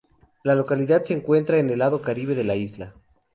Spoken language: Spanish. La localidad se encuentra del lado Caribe de la isla.